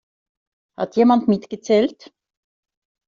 Hat jemand mitgezählt?